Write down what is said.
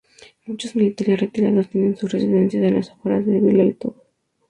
Muchos militares retirados tienen sus residencias en las afueras de Bilal Town.